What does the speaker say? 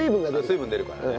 水分出るからね。